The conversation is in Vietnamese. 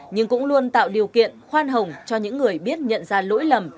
nhưng cũng luôn tạo điều kiện khoan hồng cho những người biết nhận ra lỗi lầm